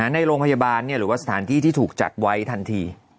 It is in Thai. ในโรงพยาบาลหรือว่าสถานที่ที่ถูกจัดไว้ทันที